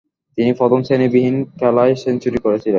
তিনি প্রথম-শ্রেণীবিহীন খেলায় সেঞ্চুরি করেছিলেন।